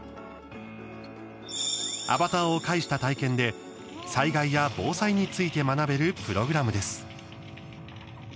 アバターを介した体験で災害や防災について学べるプログラムです。